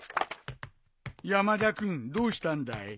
山田君どうしたんだい？